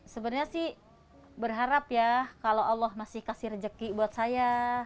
sebenarnya sih berharap ya kalau allah masih kasih rezeki buat saya